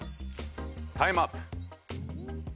タイムアップ。